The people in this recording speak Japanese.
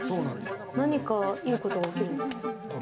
何かいいことが起きるんですか？